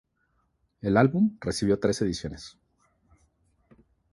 El álbum recibió tres ediciones.